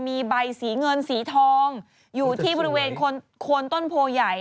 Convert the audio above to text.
มีใบสีเงินสีทองอยู่ที่บริเวณโคนต้นโพใหญ่